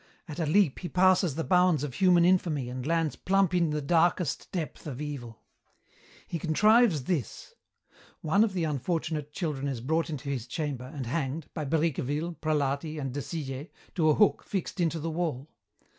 At a leap he passes the bounds of human infamy and lands plump in the darkest depth of Evil. "He contrives this: One of the unfortunate children is brought into his chamber, and hanged, by Bricqueville, Prelati, and de Sillé, to a hook fixed into the wall.